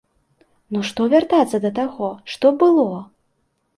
Ну што вяртацца да таго, што было?!